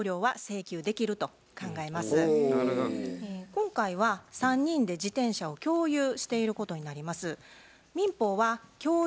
今回は３人で自転車を共有していることになります。